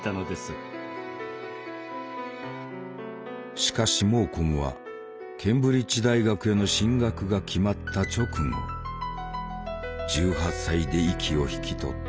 しかしモーコムはケンブリッジ大学への進学が決まった直後１８歳で息を引き取った。